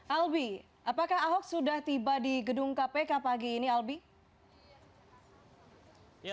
albi apakah ahok sudah tiba di gedung kpk pagi ini albi